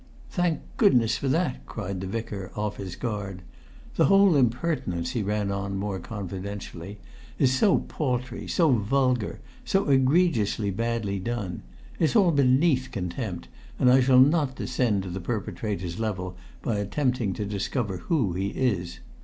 "Thank goodness for that!" cried the Vicar, off his guard. "The whole impertinence," he ran on more confidentially, "is so paltry, so vulgar, so egregiously badly done! It's all beneath contempt, and I shall not descend to the perpetrator's level by attempting to discover who he is.